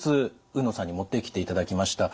海野さんに持ってきていただきました。